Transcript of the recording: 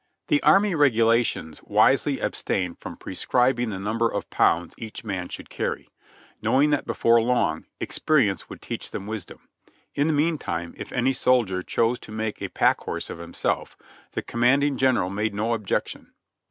4 50 JOHNNY RKB AND BIIvIvY YANK The Army Regulations wisely abstained from prescribing the number of pounds each man should carry, knowing that before long, experience would teach them wisdom ; in the meantime, if any soldier chose to make a pack horse of himself, the command ing general made no objection.